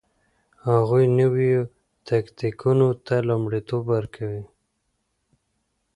هغوی نویو تکتیکونو ته لومړیتوب ورکوي